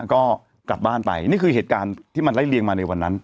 ก็กลับบ้านไปนี่คือเหตุการณ์ที่มันไล่เลียงมาในวันนั้น